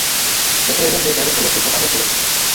দেখে এলেন, যে জায়গায় লোকটিকে পোঁতা হয়েছিল সেই জায়গা।